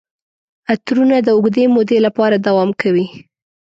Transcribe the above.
عطرونه د اوږدې مودې لپاره دوام کوي.